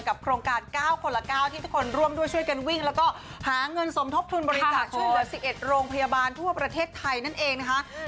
โครงการ๙คนละ๙ที่ทุกคนร่วมด้วยช่วยกันวิ่งแล้วก็หาเงินสมทบทุนบริจาคช่วยเหลือ๑๑โรงพยาบาลทั่วประเทศไทยนั่นเองนะคะ